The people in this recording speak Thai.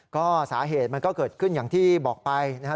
ก็สาเหตุมันก็เกิดขึ้นอย่างที่บอกไปนะครับ